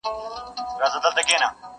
عبث دي راته له زلفو نه دام راوړ.